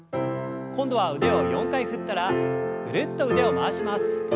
今度は腕を４回振ったらぐるっと腕を回します。